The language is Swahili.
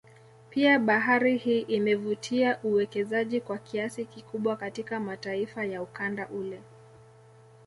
Pia bahari hii imevutia uwekezaji kwa kiasi kikubwa katika mataifa ya ukanda ule